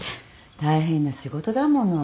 大変な仕事だもの。